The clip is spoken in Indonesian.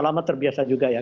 sama terbiasa juga ya